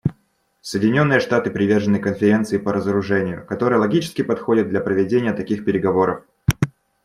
Соединенные Штаты привержены Конференции по разоружению, которая логически подходит для проведения таких переговоров.